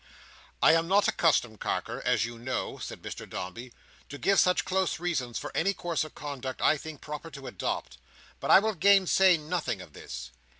"I am not accustomed, Carker, as you know," said Mr Dombey, "to give such close reasons for any course of conduct I think proper to adopt, but I will gainsay nothing of this.